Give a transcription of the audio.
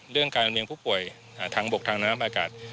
เรื่องการลำเรียงผู้ป่วยทางบกทางน้ำอากาศ